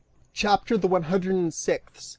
CHAPTER THE ONE HUNDRED AND SIXTH.